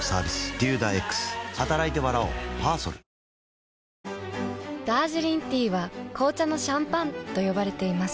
そしてダージリンティーは紅茶のシャンパンと呼ばれています。